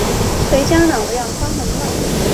回家啦，我要关门了